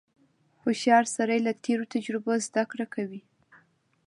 • هوښیار سړی له تېرو تجربو زدهکړه کوي.